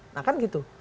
nah kan gitu